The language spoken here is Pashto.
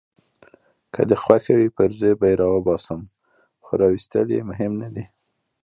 که دي خوښه وي پرزې به يې راوباسم، خو راایستل يې مهم نه دي.